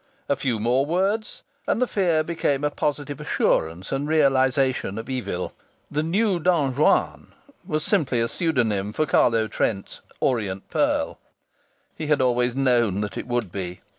A few more words and the fear became a positive assurance and realization of evil. "The New Don Juan" was simply a pseudonym for Carlo Trent's "Orient Pearl"!... He had always known that it would be.